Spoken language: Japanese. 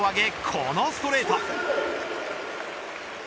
このストレート。